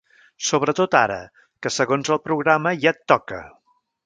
Sobretot ara, que segons el programa ja et toca.